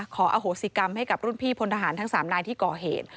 ขออโหสิกรรมให้กับรุ่นพี่พลทหารทั้ง๓นายที่ก่อเหตุ